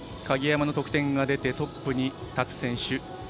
鍵山の得点が出てトップに立つ選手